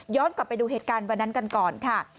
กลับไปดูเหตุการณ์วันนั้นกันก่อนค่ะ